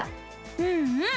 うんうん！